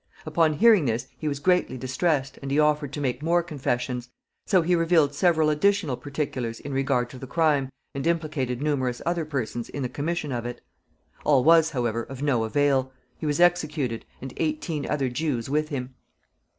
Upon hearing this he was greatly distressed, and he offered to make more confessions; so he revealed several additional particulars in regard to the crime, and implicated numerous other persons in the commission of it. All was, however, of no avail. He was executed, and eighteen other Jews with him.